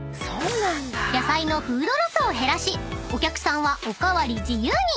［野菜のフードロスを減らしお客さんはお代わり自由に］